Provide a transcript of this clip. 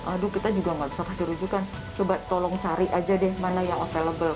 aduh kita juga gak bisa kasih rujukan coba tolong cari aja deh mana yang available